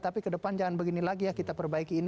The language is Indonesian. tapi kedepan jangan begini lagi ya kita perbaiki ini